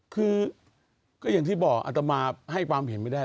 คือก็อย่างที่บอกอัตมาให้ความเห็นไม่ได้